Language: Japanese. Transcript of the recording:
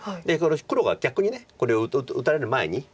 黒が逆にこれを打たれる前に。